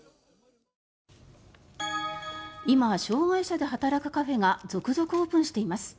今、障害者が働くカフェが続々オープンしています。